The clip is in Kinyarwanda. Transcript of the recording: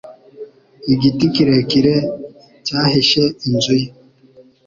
Igiti kirekire cyahishe inzu ye.